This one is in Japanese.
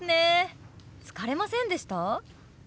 疲れませんでした？